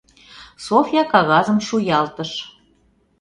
— Софья кагазым шуялтыш.